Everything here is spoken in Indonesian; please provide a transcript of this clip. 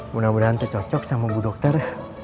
mudah mudahan tercocok sama bu dokter